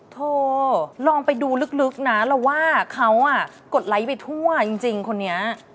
เธอลองไปดูลึกนะเราว่าเขากดไลค์ไปทั่วจริงคนนี้